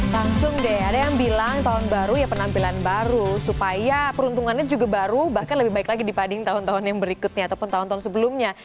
langsung deh ada yang bilang tahun baru ya penampilan baru supaya peruntungannya juga baru bahkan lebih baik lagi dibanding tahun tahun yang berikutnya ataupun tahun tahun sebelumnya